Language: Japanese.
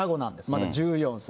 まだ１４歳。